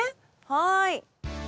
はい。